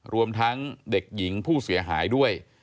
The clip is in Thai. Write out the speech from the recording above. รวมทั้งเด็กหญิงผู้เสียหายด้วย